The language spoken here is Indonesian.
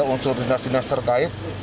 unsur dinas dinas terkait